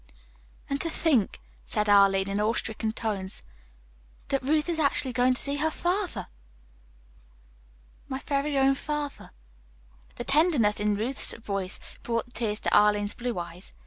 "And to think," said Arline, in awe stricken tones, "that Ruth is actually going to see her father!" "My very own father." The tenderness in Ruth's voice brought the tears to Arline's blue eyes.